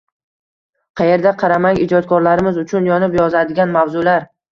Qayerga qaramang, ijodkorlarimiz uchun yonib yozadigan mavzular.